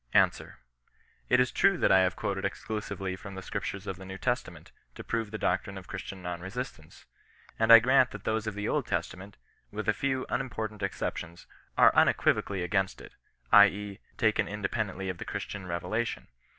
Answer. It is true that I have quoted exclusively from the Scriptures of the New Testament, to prove the doctrine of Christian non resistance. And I grant that those of the Old Testament, with a few unimportant ex ceptions, are unequivocally against it, i. e., taken inde pendently of the Christian revelation.